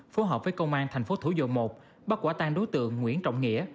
phối hợp với công an thành phố thủ dầu một bắt quả tang đối tượng nguyễn trọng nghĩa